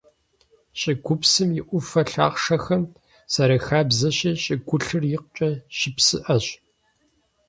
ЩӀыгупсым и Ӏуфэ лъахъшэхэм, зэрахабзэщи, щӀыгулъыр икъукӀэ щыпсыӀэщ.